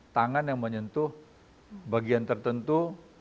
tangan yang menyentuh bagian tertentu